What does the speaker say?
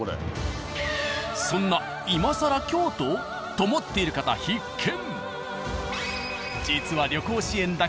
そんな今更京都？と思っている方必見。